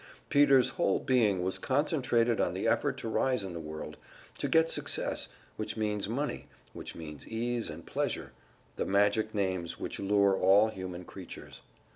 Peter's whole being was concentrated on the effort to rise in the world; to get success, which means money, which means ease and pleasure the magic names which lure all human creatures.